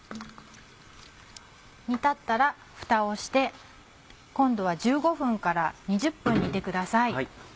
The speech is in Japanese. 煮立ったらふたをして今度は１５分から２０分煮てください。